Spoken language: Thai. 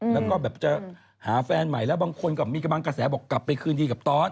แล้วก็แบบจะหาแฟนใหม่แล้วบางคนก็มีกำลังกระแสบอกกลับไปคืนดีกับตอส